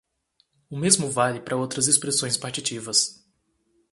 O mesmo vale para outras expressões partitivas